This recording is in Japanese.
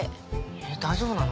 えぇ大丈夫なの？